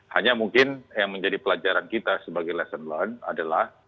hanya mungkin yang menjadi pelajaran kita sebagai lesson learned adalah